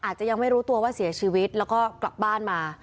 ยังไม่รู้ตัวว่าเสียชีวิตแล้วก็กลับบ้านมา